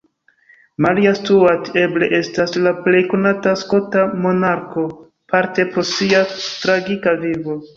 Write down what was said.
Maria Stuart eble estas la plej konata skota monarko, parte pro sia tragika vivo.